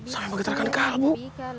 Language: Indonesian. sama begitu akan kalbu